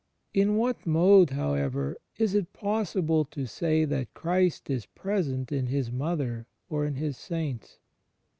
In what mode, however, is it possible to say that Christ is present in His Mother or in His saints?